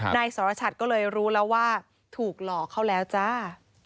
นายสรชัดก็เลยรู้แล้วว่าถูกหลอกเขาแล้วจ้า